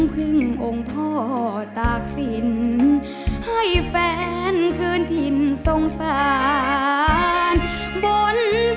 รุ่นดนตร์บุรีนามีดังใบปุ่ม